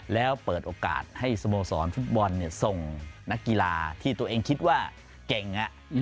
แล้วเปิดโอกาสให้สโมสรฟุตบอลส่งนักกีฬาที่ตัวเองคิดว่าเก่ง